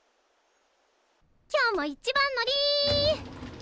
今日も一番乗り！